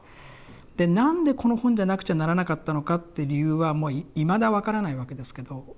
で何でこの本じゃなくちゃならなかったのかって理由はいまだ分からないわけですけど。